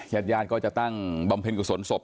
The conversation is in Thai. ยัดยานก็จะตั้งบำเพ็ญกุศลศพ